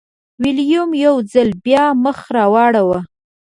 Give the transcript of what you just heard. ویلیم یو ځل بیا مخ راواړوه.